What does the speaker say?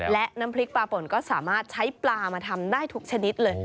และน้ำพริกปลาป่นก็สามารถใช้ปลามาทำได้ทุกชนิดเลย